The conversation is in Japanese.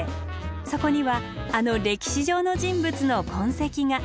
そこにはあの歴史上の人物の痕跡が。